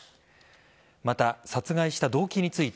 また、殺害した動機について